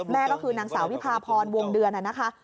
ก็คือนางสาววิพาพรวงเดือนนะคะ